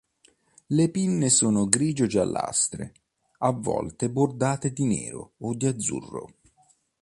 Le pinne sono grigio-giallastre, a volte bordate di nero o di azzurro.